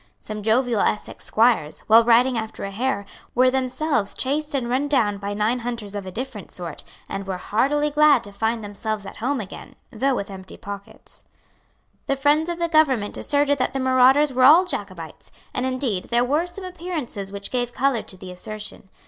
Some jovial Essex squires, while riding after a hare, were themselves chased and run down by nine hunters of a different sort, and were heartily glad to find themselves at home again, though with empty pockets. The friends of the government asserted that the marauders were all Jacobites; and indeed there were some appearances which gave colour to the assertion.